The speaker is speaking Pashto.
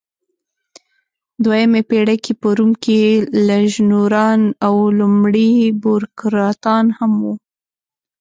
دویمه پېړۍ کې په روم کې لژنونران او لومړۍ بوروکراتان هم وو.